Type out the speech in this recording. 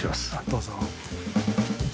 どうぞ。